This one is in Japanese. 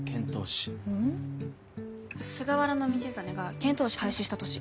菅原道真が遣唐使廃止した年。